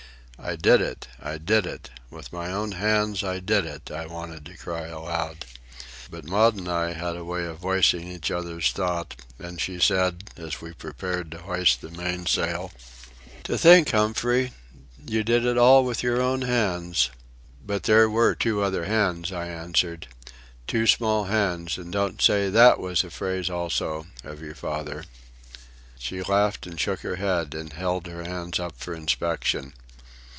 "I did it! I did it! With my own hands I did it!" I wanted to cry aloud. But Maud and I had a way of voicing each other's thoughts, and she said, as we prepared to hoist the mainsail: "To think, Humphrey, you did it all with your own hands?" "But there were two other hands," I answered. "Two small hands, and don't say that was a phrase, also, of your father." She laughed and shook her head, and held her hands up for inspection.